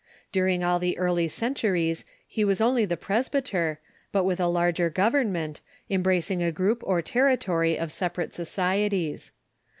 During all the early centuries he was only the presbyter, but with a larger government, embracing a group or territory of separate societies.